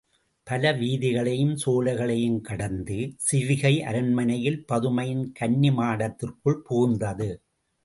பல வீதிகளையும் சோலைகளையும் கடந்து, சிவிகை அரண்மனையில் பதுமையின் கன்னிமாடத்திற்குள் புகுந்தது.